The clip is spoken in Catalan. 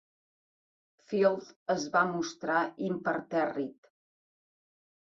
Field es va mostrar impertèrrit.